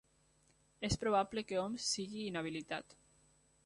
És probable que Homs sigui inhabilitat